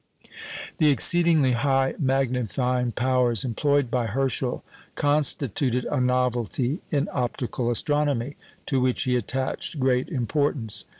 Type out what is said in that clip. The exceedingly high magnifying powers employed by Herschel constituted a novelty in optical astronomy, to which he attached great importance.